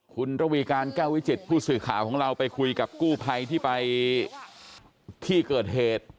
คุณระวีการ๙๗ผู้สื่อข่าวของเราไปคุยกับกู้ไพที่ไปที่เกิดเหตุ